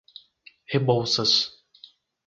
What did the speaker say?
Rebouças